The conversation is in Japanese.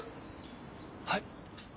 はい？